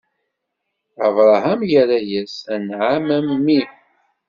Abṛaham irra-yas: Anɛam, a mmi!